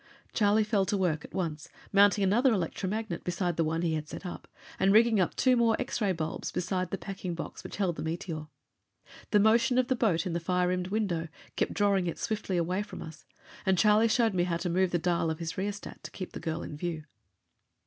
Charlie fell to work at once, mounting another electromagnet beside the one he had set up, and rigging up two more X ray bulbs beside the packing box which held the meteor. The motion of the boat in the fire rimmed window kept drawing it swiftly away from us, and Charlie showed me how to move the dial of his rheostat to keep the girl in view.